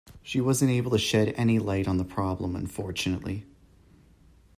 She wasn’t able to shed any light on the problem, unfortunately.